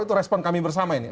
itu respon kami bersama ini